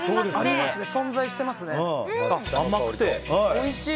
おいしい！